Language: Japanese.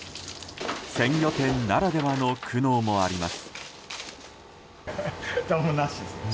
鮮魚店ならではの苦悩もあります。